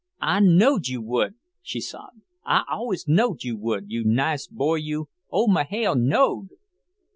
"I knowed you would," she sobbed. "I always knowed you would, you nice boy, you! Old Mahail' knowed!"